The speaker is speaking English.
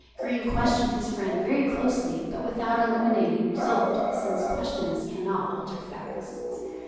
Greene questioned his friend very closely, but without illuminating result, since questions cannot alter facts.